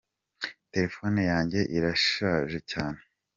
Telefone yanjye irashaje cyane.